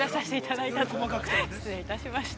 失礼いたしました。